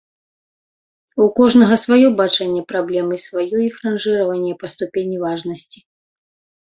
У кожнага сваё бачанне праблем і сваё іх ранжыраванне па ступені важнасці.